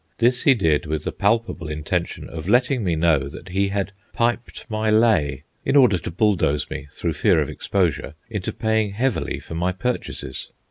This he did with the palpable intention of letting me know that he had "piped my lay," in order to bulldose me, through fear of exposure, into paying heavily for my purchases.